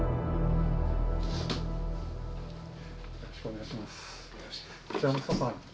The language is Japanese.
よろしくお願いします。